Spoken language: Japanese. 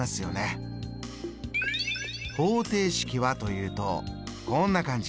方程式はというとこんな感じ。